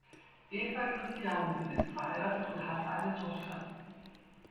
Eva Christiansen ist verheiratet und hat eine Tochter.